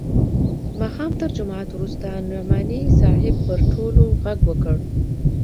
د ماښام تر جماعت وروسته نعماني صاحب پر ټولو ږغ وکړ.